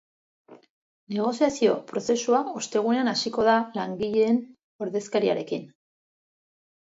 Negoziazio prozesua ostegunean hasiko da langileen ordezkariarekin.